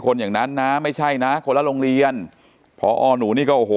คนอย่างนั้นนะไม่ใช่นะคนละโรงเรียนพอหนูนี่ก็โอ้โห